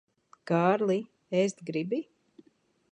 Kārli, ēst gribi?